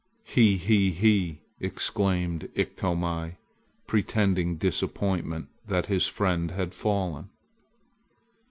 "He he he!" exclaimed Iktomi, pretending disappointment that his friend had fallen.